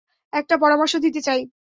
একটা পরামর্শ দিতে চাই।